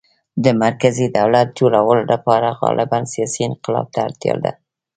د مرکزي دولت جوړولو لپاره غالباً سیاسي انقلاب ته اړتیا ده